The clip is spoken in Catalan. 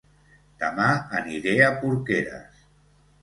Dema aniré a Porqueres